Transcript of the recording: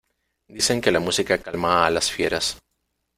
Dicen que la música calma a las fieras.